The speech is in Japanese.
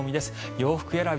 洋服選び